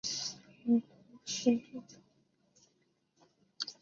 萨勒诺夫人口变化图示